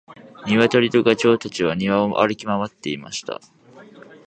ニワトリとガチョウたちは庭を歩き回っていました。